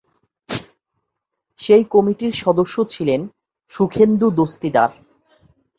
সেই কমিটির সদস্য ছিলেন সুখেন্দু দস্তিদার।